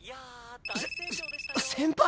せせ先輩！？